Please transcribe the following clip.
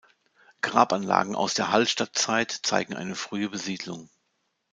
Grabanlagen aus der Hallstattzeit zeigen eine frühe Besiedlung.